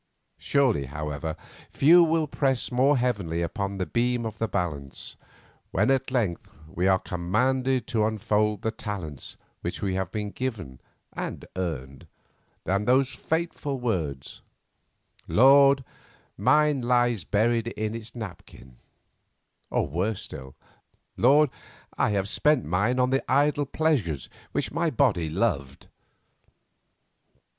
Surely, however, few will press more heavily upon the beam of the balance, when at length we are commanded to unfold the talents which we have been given and earned, than those fateful words: "Lord, mine lies buried in its napkin," or worse still: "Lord, I have spent mine on the idle pleasures which my body loved."